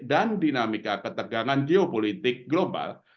dan dinamika ketegangan geopolitik global